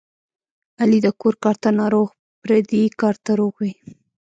علي د کور کار ته ناروغ پردي کار ته روغ وي.